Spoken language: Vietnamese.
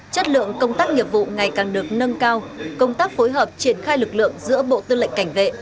chất lượng công tác nghiệp vụ ngày càng được nâng cao công tác phối hợp triển khai lực lượng giữa bộ tư lệnh cảnh vệ